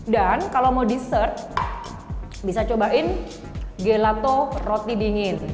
dan kalau mau dessert bisa cobain gelato roti dingin